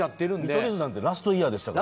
見取り図なんて、ラストイヤーでしたから。